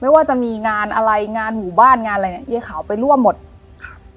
ว่าจะมีงานอะไรงานหมู่บ้านงานอะไรเนี้ยยายขาวไปร่วมหมดครับ